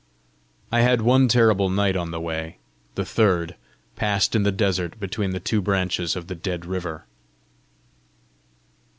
I had one terrible night on the way the third, passed in the desert between the two branches of the dead river.